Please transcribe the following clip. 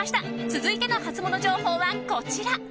続いてのハツモノ情報はこちら。